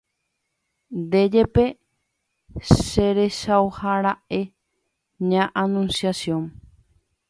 Nde jepe cherechaga'ura'e ña Anunciación